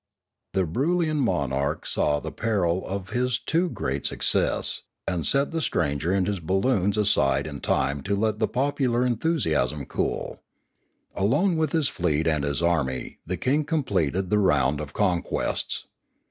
The Broolyian monarch saw the peril of his too great success, and set the stranger and his balloons aside in time to let the popular enthusiasm cool. Alone with his fleet and his army the king completed the round of conquests.